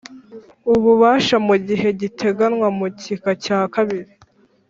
Ububasha mu gihe giteganywa mu gika cya kabiri